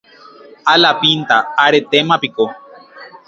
Alapínta aretémapiko